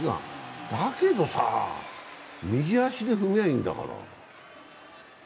だけどさ、右足で踏めばいいんだからさ。